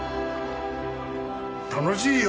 楽しいよ！